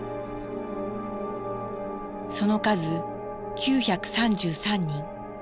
その数９３３人。